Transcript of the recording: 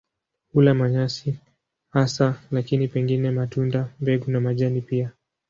Hula manyasi hasa lakini pengine matunda, mbegu na majani pia.